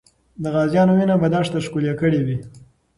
د غازیانو وینه به دښته ښکلې کړې وي.